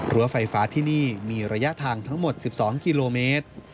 ไฟฟ้าที่นี่มีระยะทางทั้งหมด๑๒กิโลเมตร